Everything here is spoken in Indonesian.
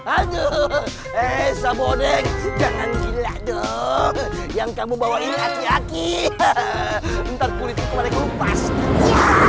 aduh eh sabodeh jangan gila dong yang kamu bawa ini lagi